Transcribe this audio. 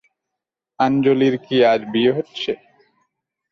আঞ্জলির কি আজ বিয়ে হচ্ছে?